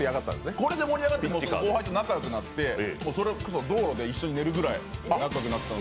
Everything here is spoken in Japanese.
これで盛り上がって後輩と仲よくなってそれこそ道路で一緒に寝るぐらい仲よくなったので。